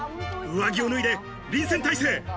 上着を脱いで臨戦態勢。